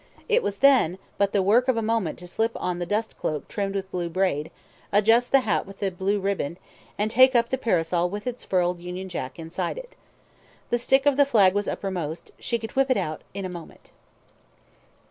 It was then but the work of a moment to slip on the dust cloak trimmed with blue braid, adjust the hat with the blue riband, and take up the parasol with its furled Union Jack inside it. The stick of the flag was uppermost; she could whip it out in a moment.